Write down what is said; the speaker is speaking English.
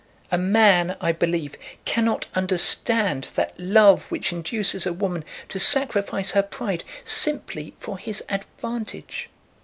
A man, I believe, cannot understand that love which induces a woman to sacrifice her pride simply for his advantage.